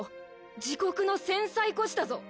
自国の戦災孤児だぞ！